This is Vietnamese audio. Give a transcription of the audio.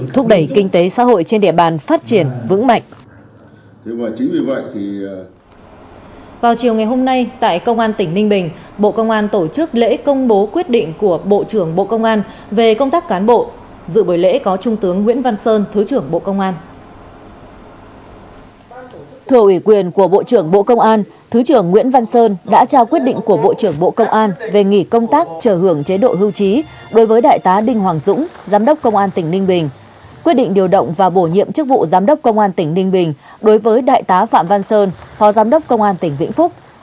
thứ trưởng nguyễn văn sơn đã trao quyết định của bộ trưởng bộ công an về nghỉ công tác trở hưởng chế độ hưu trí đối với đại tá đinh hoàng dũng giám đốc công an tỉnh ninh bình quyết định điều động và bổ nhiệm chức vụ giám đốc công an tỉnh ninh bình đối với đại tá phạm văn sơn phó giám đốc công an tỉnh vĩnh phúc